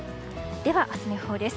では明日の予報です。